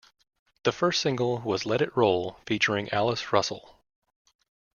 The first single was "Let It Roll", featuring Alice Russell.